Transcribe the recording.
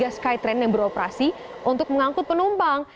akan ada tiga skytrain yang beroperasi untuk mengangkut penumpang